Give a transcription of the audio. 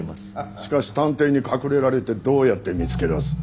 しかし探偵に隠れられてどうやって見つけ出す。